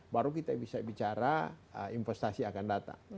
baru kita bisa bicara investasi akan datang